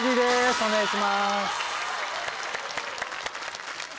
お願いします。